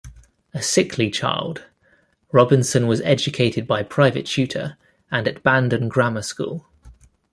A sickly child, Robinson was educated by private tutor and at Bandon Grammar School.